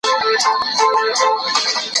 سیاحت د کلتورونو ترمنځ اړیکي پیاوړي کوي.